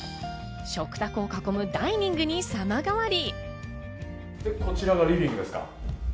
食卓を囲むダイニングに様変わり。